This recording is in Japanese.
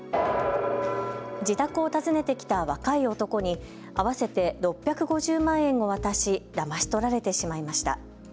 自宅を訪ねてきた若い男に合わせて６５０万円を渡しだまし取られてしまいました。